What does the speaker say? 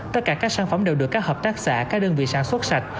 tất cả các sản phẩm đều được các hợp tác xã các đơn vị sản xuất sạch